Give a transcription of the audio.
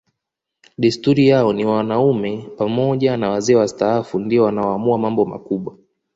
Desturi yao ni wanaume pamoja na wazee wastaafu ndio wanaoamua mambo makubwa